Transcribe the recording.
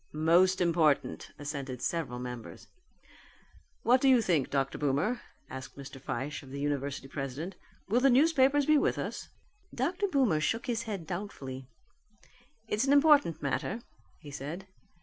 "Most important," assented several members. "What do you think, Dr. Boomer?" asked Mr. Fyshe of the university president, "will the newspapers be with us?" Dr. Boomer shook his head doubtfully. "It's an important matter," he said.